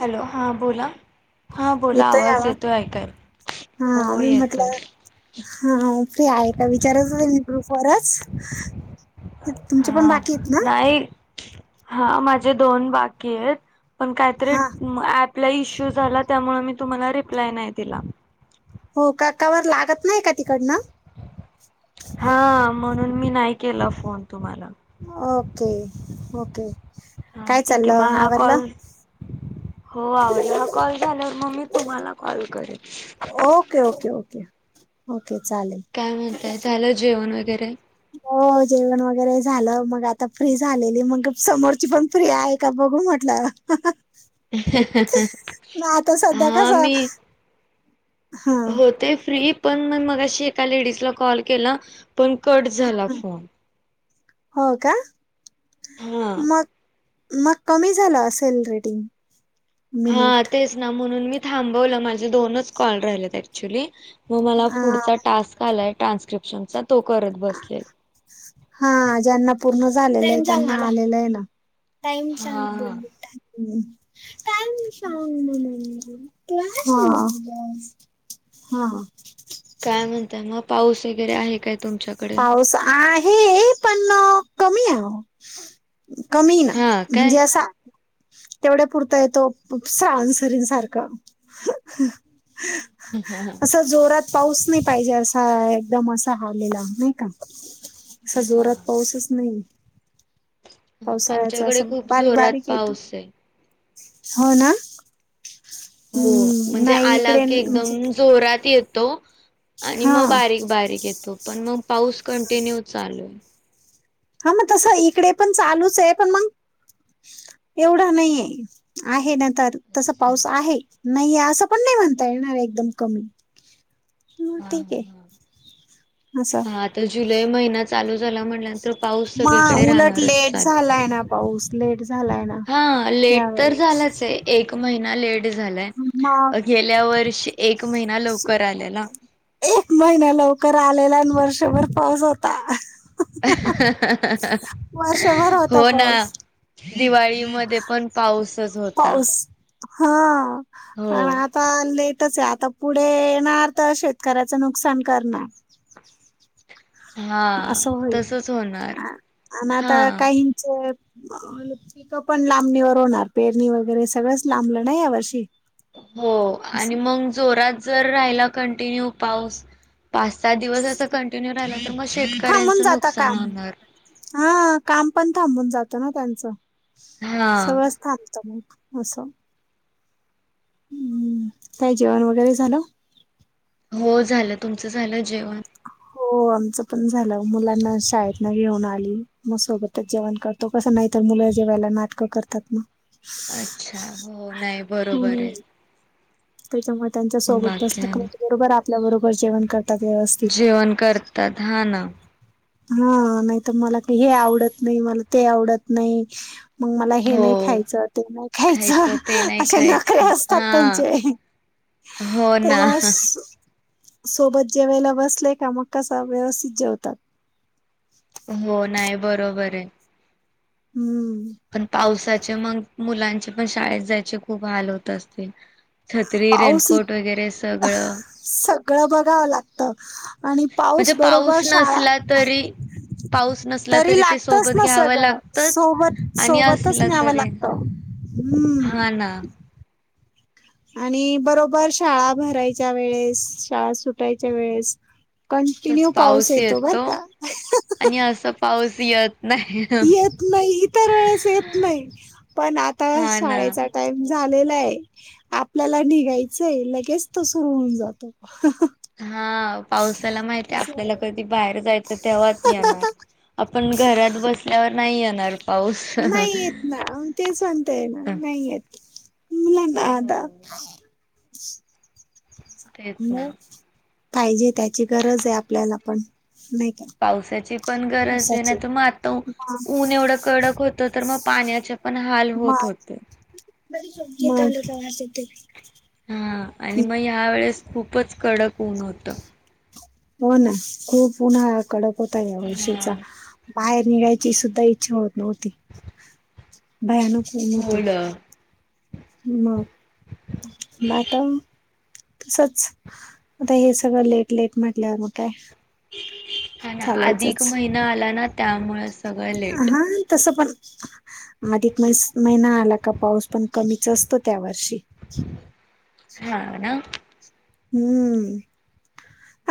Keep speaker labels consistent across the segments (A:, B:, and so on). A: Hello हा बोला.
B: येतोय का आवाज
A: येतोय ऐकायला.
B: हां
A: हो
B: मी
A: येतोय.
B: म्हटलं हा फ्री हाये का विचारच होती ग्रुपवरच तुमचे पण
A: हा
B: बाकी आहेत ना?
A: नाही हा माझे दोन बाकी आहेत पण, काही तरी
B: हा
A: ॲप ला इश्यू झाला त्यामुळ म मी तुम्हांला रिप्लाय नाही दिला.
B: हो का का बरं लागतं नाही का तिकडनं?
A: हा म्हणून मी नाही केला फोन तुम्हाला.
B: Okay okay.
A: हा
B: काय
A: ठीक आहे
B: चाललं
A: मग हा
B: आवरलं
A: कॉल, हो आवडला हा कॉल झाल्यावर मग मी तुम्हाला कॉल करेल.
B: ओके, ओके, ओके ओ
A: काय म्हणताय झालं जेवण वगैरे.
B: हो जेवण वगैरे झालं मग आता फ्री झालेली मग समोरची पण फ्री आहे का ब बघून म्हटलं. मग आता सध्या
A: हा
B: कसं
A: मी
B: हा
A: होते फ्री पण म मग अशी एका लेडीजला कॉल केला. पण कट झाला
B: हा.
A: फोन.
B: हो का?
A: हा.
B: मग मग कमी झाला असेल रेडिंग
A: हा
B: मिनिट.
A: तेच ना म्हणून मी थांबवलं माझे दोनच कॉल राहिलेत ऑक्चुली. मग मला पुढचा टास्क आलाय ट्रान्स्क्रिप्शनचा तो करत बसले.
B: हा ज्यांना पूर्ण झालेलेय म आलेलाय ना. का
A: हा
B: सांग
A: हा.
B: म्ह कला [unintelligible] हा.
A: काय म्हणताय मग पाऊस वगैरे आहे काय तुमच्याकडे
B: पाऊस आहे पण कमी ये ओ. कमी ना
A: हा काय?
B: म्हणजे असा तेवढ्या पुरता येतो श्रावनसरीन सारख.
A: हा
B: असं जोरात पाऊस नाही, पाहिजे असा एकदम असा हवलेला. नाही का असा जोरात पाऊसच नाहीये.
A: ह आमच्याकडे
B: असं
A: खूप
B: बारीक
A: जोरात
B: बारीक येतो
A: पाऊसे.
B: हो ना.
A: हो
B: हम्म
A: म्हणजे
B: नाही
A: आला
B: इकडे
A: की
B: म्हणजे
A: एकदम जोरात येत तो आणि
B: हा
A: मग बारीक बारीक येतो पण मग पाऊस कंटिन्यू चालूय.
B: हा मग तसं इकडे पण चालूचे पण मग एवढा नाहीये आहे ना तर तस पाऊस
A: हा
B: आहे नाहीये असं पण नाही म्हणता येणार एकदम कमी. हं,
A: हा
B: ठीक आहे असं
A: हा आता जुलै महिना चालू झाला म्हणल्या न
B: म उलट लेट झालाय ना पाऊस लेट झाला.
A: हा लेट तर झालाचे एक महिना लेट झालाय
B: मग
A: गेल्या वर्षी एक महिना लवकर आलेला.
B: एक महिना लवकर आलेलाण, वर्षभर पाऊस होता. वर्षभर होता
A: हो ना.
B: पाऊस
A: दिवाळीमध्ये पण पाऊसच होता.
B: पाऊस हा
A: हो
B: पण आता लेटचे आता पुढे येणार तर शेतकऱ्याचं नुकसान करणार.
A: हा
B: असं होईल
A: तसच होणार
B: आणि
A: हा
B: आता काहीच पिक पण लांबणीवर होणार पेरणी वगैरे सगळंच लांबलं ना ह्या वर्षी.
A: हो आणि
B: असं
A: मग जोरात जर राहिला कंटिन्यू पाऊस पाच साहा दिवस अस कंटिन्यू राहिला तर मग
B: थांबून
A: शेतकऱ्यांचं
B: जाता
A: नुकसान
B: काम
A: होणार
B: हा काम पण थांबून जात. ना त्यांचं
A: हा
B: सगळं थांबत मग अस. हम्म काय जेवण वगैरे झालं.
A: हो झालं तुमचं झालं जेवण.
B: हो. हो आमचं पण झालं मुलांना शाळेत न घेऊन आली मग सोबतच जेवण करतो कसं नंतर मुलं जेवायला नाटकं करतात ना.
A: अच्छा हो नाही
B: हम्म
A: बरोबरे.
B: त्याच्यामुळे त्यांच्या सोबत बसल म बरोबर आपल्या बरोबर जेवण करत.
A: जेवण करतात हा ना
B: हा नाय तर मला हे आवडत नाही मला ते आवडत नाही. मंग मला हे
A: हो
B: नाय खायचं ते नाय खायचं
A: ते नाही
B: असे नखरे
A: खायचं
B: असतात
A: हा
B: त्यांचे
A: हो ना
B: त्याच्यामुळे स- सोबत जेवायला बसले का मग कसा व्यवस्थित जेवतात.
A: हो नाय बरोबर ये.
B: हूं
A: पण पावसाचे मंग मुलांचे पण शाळेत जायचे खूप हाल होत असतील. छत्री,
B: पाऊस इ
A: रेनकोट वगैरे सगळं
B: सगळं बघावं लागतं आणि पाऊस
A: म्हणजे
B: बरोबर शाळा
A: नसला तरी पाऊस नसला
B: तरी
A: ते
B: लागतच
A: सोबत
B: ना
A: घ्यावं
B: सगळं
A: लागतच
B: सोबत
A: आणि
B: सोबतच
A: असला
B: न्यावं
A: तरी
B: लागत. हम्म
A: हा ना
B: आणि बरोबर शाळा भरायच्या वेळेस शाळा सुटायच्या वेळेस कंटिन्यू पाऊस येतो बरं का.
A: आणि असं पाऊस येत नाही.
B: येत नाही इतर वेळेस येत नाही पण आता
A: हा ना.
B: शाळेचा टाइम झालेलाय आपल्याला निघायचंय लगेच त सुरू होऊन जातो.
A: हा पावसाला माहितीय
B: असं
A: आपल्याला
B: आहे.
A: कधी बाहेर जायचं तेव्हाच येणार. आपण घरात बसल्यावर नाही येणार. पाऊस.
B: नाही येतं ना ते सांगतेये ना नाही येतं.
A: हो.
B: [inaudible]
A: तेच
B: मग
A: ना
B: पाहिजे त्याची गरज आहे आपल्याला पण. नाही का
A: पावसाची पण गरजये
B: असाच
A: नाय
B: आहे
A: तर मग आता
B: मा-
A: ऊन एवढं कडक होतं तर मग पा - पाण्याचे पण हाल
B: मा-
A: होत होते. हा आणि मग ह्या वेळेस
B: [inaudible]
A: खूपच कडक ऊन होतं.
B: हो ना खूप उन्हाळा कडक होता या वर्षीचा. बाहेर निघायची सुद्धा इच्छा होत नव्हती. भयानक ऊन होत.
A: होल
B: म आता. तसच आता हे सगळं लेट लेट म्हटल्यावर मगं कायं.
A: हा ना अधिक महिना आला ना त्यामुळच.
B: हा तसं पण अधिक म महिना आला का पाऊस पण कमीच असतो त्या वर्षी.
A: हा ना.
B: हम्म.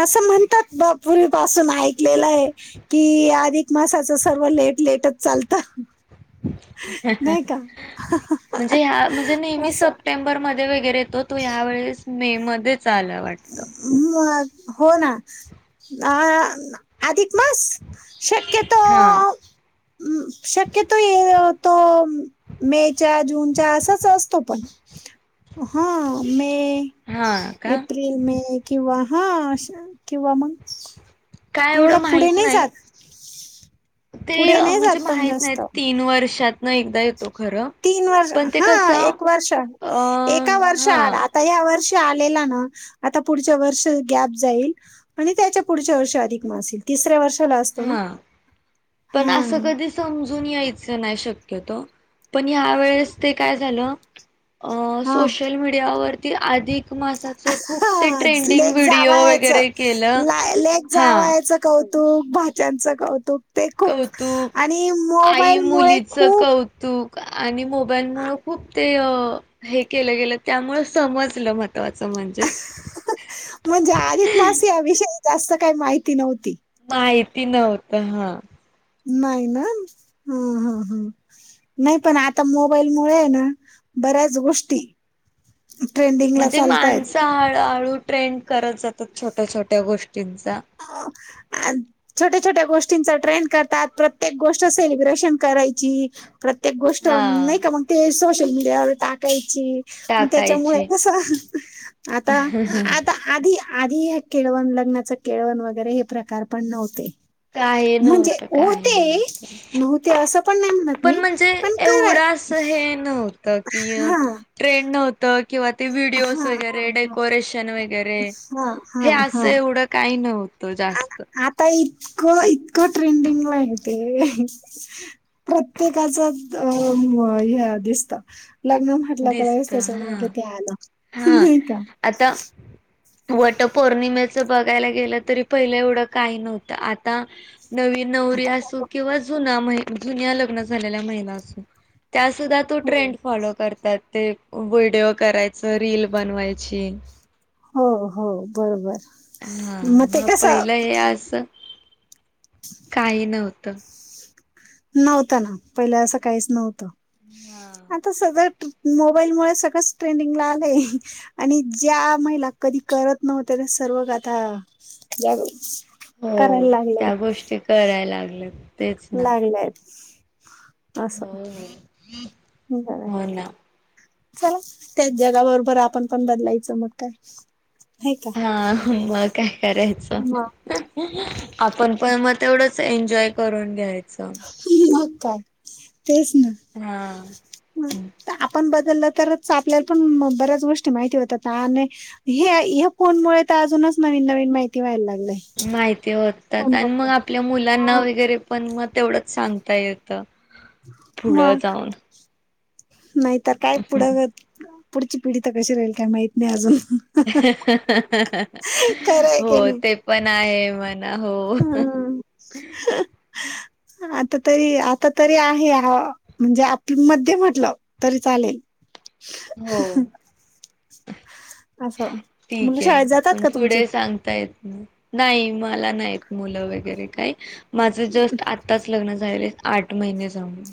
B: असं म्हणतात बा पूर्वीपासून ऐकलेलं ये की अधिक मासाच सर्व- लेट लेटच चालतं.
A: [unintelligible] म्हणजे हा म्हणजे नेहमी
B: असं
A: सप्टेंबर मध्ये वगैरे येतो तो ह्यावेेळेस मे मध्येच आलं वाटत.
B: मग हो ना आ आधिक- मास शक्यतो
A: हा
B: शक्यतो येतो मेच्या जूनच्या असचं असतो पणं हा मे
A: हा का
B: एप एप्रिल, मे किंवा हा आशा किंवा मगं
A: काय एवढं
B: एवढां पुढे
A: माहित
B: नाई
A: नाही.
B: जातं.
A: ते म्हणजे माहित नाय तीन वर्षातन एकदाये
B: तीन वर्ष हा एक वर्ष
A: अ
B: एका वर्ष
A: हा
B: आडं आता या वर्ष आलेला ना आता पुढच्या वर्षी गॅप जाईल आणि त्याच्या पुढच्या वर्षी अधिक मास येईल. तिसऱ्या वर्षां
A: हा पणं असं कधी समजू जून यायच नाय शक्यतो पण ह्या वेळेस ते काय झालं
B: हा
A: सोशल मीडियावरती अधिक. मासाच खूप ते
B: हा
A: ट्रेंडिंग
B: लेक
A: व्हिडिओ
B: जावायचं
A: वगैरे केलं हा.
B: खूप भाच्यांच कौतुक. ते खूप
A: कौतुक
B: आणि
A: आई
B: मोबाईल मुळे
A: मुलीचं
B: खूपं
A: कौतुक आणि मोबाईल मुळ खूप ते अ हे केलं गेलं त्यामुळ समजलं मगं
B: म्हणजे अधिक मास याविषयी जास्त काही माहिती नव्हती.
A: माहिती नव्हत हा.
B: नाही ना ह ह ह नाही पण आता मोबाईल मुळे हे ना बऱ्याच गोष्टी ट्रेंडिंगला
A: म्हणजे
B: चालतायत.
A: माणसं हळूहळू ट्रेंड करत जातात, छोट्या, छोट्या गोष्टींचा
B: [inaudible] अ छोट्या, छोट्या गोष्टींचा ट्रेंड करतात, प्रत्येक गोष्ट सेलिब्रेशन करायची प्रत्येक गोष्ट
A: हा
B: नाही का मगं ते सोशल मीडियावर टाकाय ची मं त्याच्यामुळे
A: टाकायची
B: कसं आता, आता, आधी आधी हे केळवण, लग्नाचं केळवण, वगैरे हे प्रकार पण नव्हते
A: काही
B: म्हणजे
A: नव्हतं काही नाही.
B: होते, नव्हते असं पण नाही म्हणत
A: पण
B: मी,
A: म्हणजे
B: पण कराय
A: एवढं असं हे नव्ह त कि
B: हा
A: ट्रेंड नव्हतं, किंवा ते व्हिडिओज
B: हा
A: वगैरे,
B: हा
A: डेकोरेशन वगैरे वगैरे
B: हा हा
A: हे
B: हा
A: असं एवढं काही नव्हतं जास्त
B: आ- आता इतकं, इतकं, ट्रेंडिंगला आहे ते प्रत्येकाच अ मं ह्या दिसता, लग्न म्हटलं का लगेच
A: दिसत
B: त्याच्या मागे
A: हा.
B: ते आलं
A: हा
B: नाही का
A: आता! वट पौर्णिमेच बघायला गेलं तरी, पहिलं एवढं काही नव्हतं आता नवी नवरी,
B: आता
A: असू
B: प्रॉपर-
A: किंवा जुना म्ह जुन्या लग्न झालेल्या महिला असू त्यासुद्धा तो
B: हो
A: ट्रेंड फॉलो करतात ते व्हिडिओ कराय त रील बनवायची
B: हो हो बरोबर.
A: हा
B: ते
A: मग
B: कसं
A: पहिलं हे असं काही नव्हतं.
B: नव्हत ना पहिले असं काहीच नव्हतं
A: हा
B: आता सज मोबाईलमुळे सगळंच ट्रेंडिंगला आलंय, आणि ज्या महिला कधी करत नव्हत्या त्या रोज आता जा
A: हो त्या गोष्टी कराय लागल्यात तेच ना
B: लाग लायाचं असा!
A: हो हो हो ना
B: चला त्याच जगाबरोबर आपण पण बदलायचं मग काय नाही का
A: हा मग काय करायचं आपण पण मग तेवढंच एन्जॉय करून घ्याय
B: मग काय? तेच ना
A: हा.
B: त आपण ब ददल तरच आपल्याला पण मं बऱ्याच गोष्टी माहिती होतात आनी हे हे फोनमुळे त अजून नवीन, नवीन माहिती व्हायलाग
A: माहिती होतात आणि मग आपल्या मुलांना वगैरे पण म तेवढंच सांगता येत पुढं जाऊन
B: नाही तर काय पुढ, पुढची पिढी त कशी राहील काय माहित नाही अजून, खरंय की
A: हो
B: नाही
A: ते पण आहे म्हणा हो!
B: हम्म [inaudible] आता तरी, आता तरी आहे, म्हणजे आपलं मध्य म्हटलं तरी चालेल
A: हो!
B: असं मुलं
A: ठीक
B: शाळेत
A: आहे
B: जातात
A: पण
B: का तुमचे
A: पुढे सांगता येत ना नाही माला नाहीत मुल वैगरे माझ जस्ट आताच लग्न झालं. आठ महिने जाऊन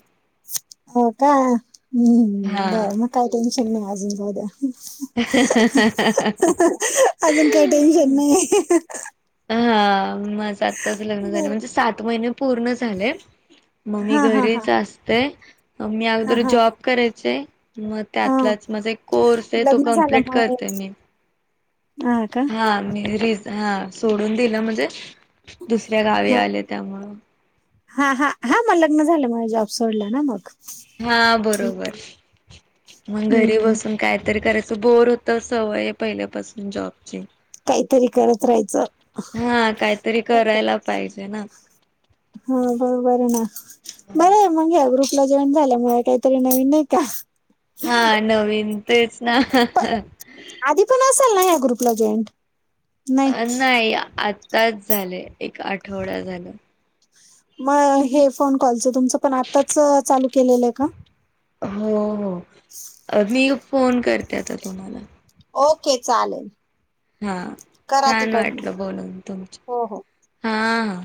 B: हो का हम्म
A: हा.
B: बरं मग काय टेन्शन नाही अजून बुवा द्या अजून काही टेन्शन नाही
A: [inaudible] हा माझं आत्ताच लग्न झालं
B: बर
A: म्हणजे सात महिने पूर्ण झाले. मग मी
B: हा हा हा
A: घरीच असतें. मी
B: हा
A: अगदर
B: हा
A: जॉब करायचे मग
B: हा
A: त्यातलाच माझा एक कोर्स आहे तो
B: लग्न
A: कम्प्लीट
B: झाल्यामुळे
A: करतेय मी
B: [inaudible] का
A: हा मी हा सोडून दिलं म्हणजे दुसऱ्या गावी
B: हा
A: आल्या त्यामुळे
B: हा हा हा मग लग्न झालं माझ जॉब सोडलं ना मग
A: हा बरोबर मग घरी
B: हम्म
A: बसून कायतरी करायचं बोर होता सवय आहे पहिल्यापासून जॉब
B: काहीतरी करत राहायचं
A: हा काहीतरी करायला पाहिजे ना.
B: हो बरोबर ना बरं मग ग्रुपला जॉईन झाल्यामुळे काहीतरी नवीन नाही का
A: हा नवीन तेच ना
B: पण आधी पण ना या ग्रुपला जॉईंट [unintelligible]
A: अ नाही आत्ताच झालं एक आठवडा झाला.
B: मग हे फोन कॉलचं तुमचं पण आताच चालू केलेलं आहे का?
A: हो हो मी फोन करते आता तुम्हाला
B: ओके चालेल.
A: हा
B: करा
A: छान
B: तिकडनं
A: वाटल बोलून तुमच
B: हो हो
A: हा हा